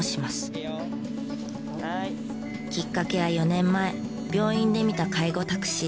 きっかけは４年前病院で見た介護タクシー。